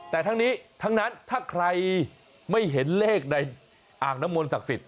แต่ทั้งนี้ทั้งนั้นถ้าใครไม่เห็นเลขในอ่างน้ำมนศักดิ์สิทธิ